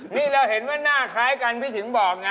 นี่เราเห็นว่าหน้าคล้ายกันพี่ถึงบอกไง